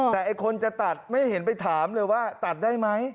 แต่ไอ้คนจะตัดไม่เห็นไปถามเลยว่าตัดได้ไหม